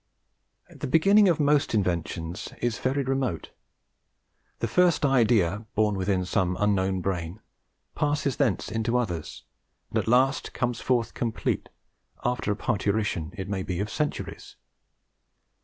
The beginning of most inventions is very remote. The first idea, born within some unknown brain, passes thence into others, and at last comes forth complete, after a parturition, it may be, of centuries.